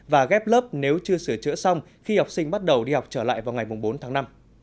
và ghép lớp nếu chưa sửa chữa xong khi học sinh bắt đầu đi học trở lại vào ngày bốn tháng năm